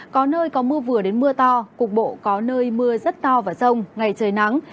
có nơi có mưa vừa đến mưa to cục bộ có nơi mưa rất to và rông ngày trời nắng